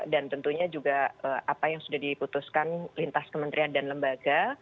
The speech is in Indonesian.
dan tentunya juga apa yang sudah diputuskan lintas kementerian dan lembaga